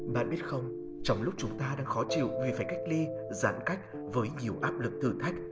bạn biết không trong lúc chúng ta đang khó chịu vì phải cách ly giãn cách với nhiều áp lực thử thách